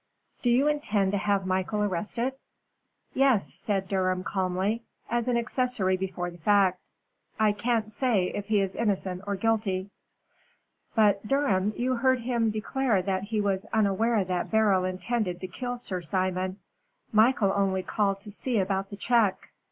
"Do you intend to have Michael arrested?" "Yes," said Durham, calmly, "as an accessory before the fact. I can't say if he is innocent or guilty." "But, Durham, you heard him declare that he was unaware that Beryl intended to kill Sir Simon. Michael only called to see about the check."